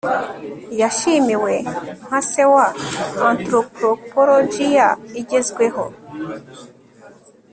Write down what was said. yashimiwe nka se wa antropropologiya igezweho